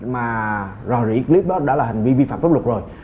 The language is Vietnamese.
mà rò rỉ clip đó đã là hành vi vi phạm pháp luật rồi